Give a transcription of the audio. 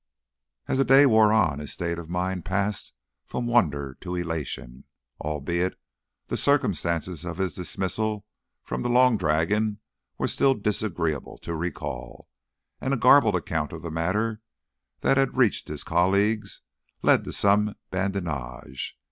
As the day wore on his state of mind passed from wonder to elation, albeit the circumstances of his dismissal from the Long Dragon were still disagreeable to recall, and a garbled account of the matter that had reached his colleagues led to some badinage.